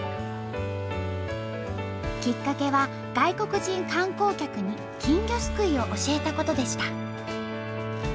きっかけは外国人観光客に金魚すくいを教えたことでした。